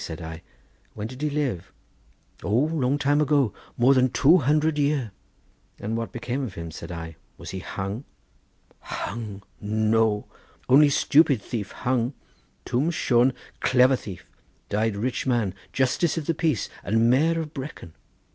said I; "when did he live?" "O, long time ago, more than two hundred year." "And what became of him?" said I; "was he hung?" "Hung, no! only stupid thief hung. Twm Shone clever thief; died rich man, justice of the peace and mayor of Brecon."